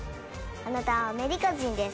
あなたはアメリカ人です。